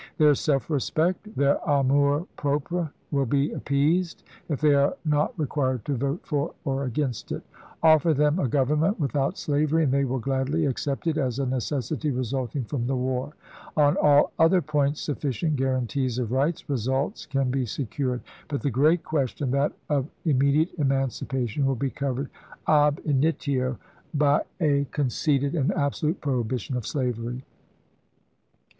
Their self respect, theu' amour propre will be appeased if they are not re quired to vote for or against it. Offer them a gov ernment without slavery and they will gladly accept it as a necessity resulting from the war. On all other points, sufficient guarantees of right results can be secured ; but the great question, that of immediate emancipation, will be covered, ah initio, by a con ceded and absolute prohibition of slavery.